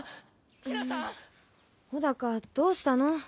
帆高どうしたの？